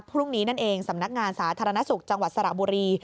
พรุ่งนี้นั่นเองสำนักงานสาธารณสุขจังหวัดสระบุรี